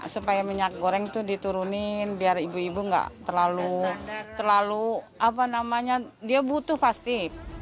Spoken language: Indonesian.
supaya minyak goreng itu diturunin biar ibu ibu nggak terlalu apa namanya dia butuh pasti